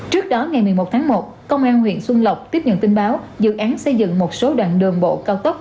trước đó ngày một mươi một tháng một công an huyện xuân lộc tiếp nhận tin báo dự án xây dựng một số đoạn đường bộ cao tốc